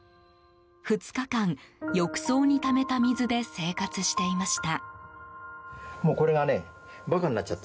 ２日間、浴槽にためた水で生活していました。